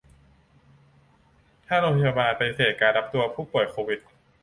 ถ้าโรงพยาบาลปฏิเสธการรับตัวผู้ป่วยโควิด